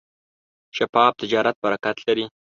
شفاف تجارت برکت لري.